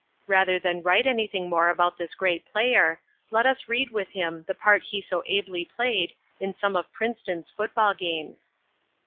Rather than write anything more about this great player, let us read with him the part he so ably played in some of Princeton's football games.